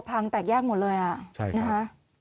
แตกแยกหมดเลยอ่ะใช่นะคะ